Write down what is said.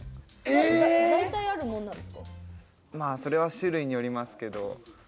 それは種類によりますけど。